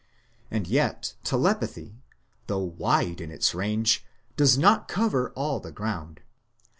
And yet telepathy, though wide in its range, does not cover all the ground.